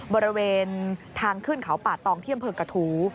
บริเวณทางขึ้นเขาป่าตองที่อำเภอกระทู้